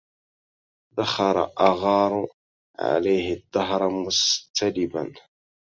ذخر أغار عليه الدهر مستلبا